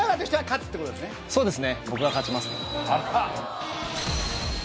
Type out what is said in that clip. そうですね